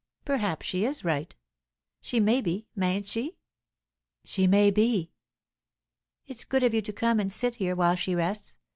Perhaps she is right? She may be, mayn't she?" "She may be." "It's good of you to come and sit here while she rests.